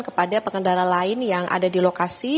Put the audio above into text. kepada pengendara lain yang ada di lokasi